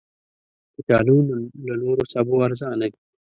کچالو له نورو سبو ارزانه دي